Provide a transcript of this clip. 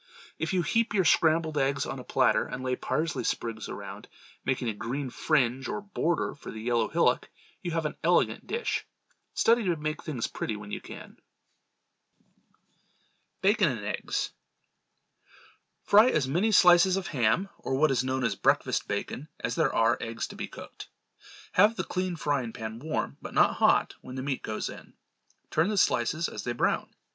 If you heap your scrambled eggs on a platter and lay parsley sprigs around, making a green fringe or border for the yellow hillock, you have an elegant dish. Study to make plain things pretty when you can. Bacon and Eggs. Fry as many slices of ham, or what is known as breakfast bacon, as there are eggs to be cooked. Have the clean frying pan warm, but not hot, when the meat goes in. Turn the slices as they brown.